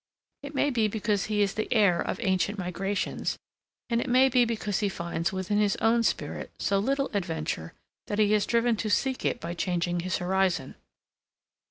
It may be because he is the heir of ancient migrations and it may be because he finds within his own spirit so little adventure that he is driven to seek it by changing his horizon.